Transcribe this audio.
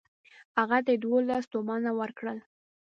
هغه ته یې دوولس تومنه ورکړل.